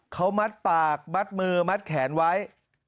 เขามัดปากมัดมือมัดแขนไว้